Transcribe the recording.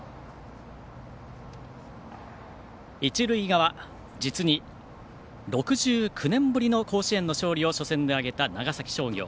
一塁側、実に６９年ぶりの甲子園の勝利を初戦で挙げた長崎商業。